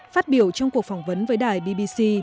phát biểu trong cuộc phỏng vấn với đài bbc